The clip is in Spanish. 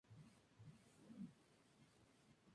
Perteneció a la Comisión de Gobierno Interior.